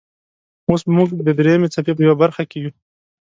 اوس موږ د دریمې څپې په یوه برخې کې یو.